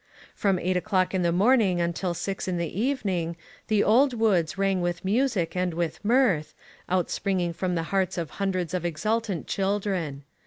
From eight o'clock in the morning until six in the evening, the old woods rang with music and with mirth, out springing from the hearts of hundreds of exultant VISIT TO KENTUCKY. 165 children.